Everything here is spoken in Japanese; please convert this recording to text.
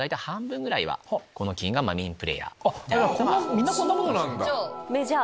みんなこんなもんなんですか。